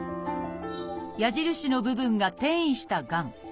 矢印の部分が転移したがん。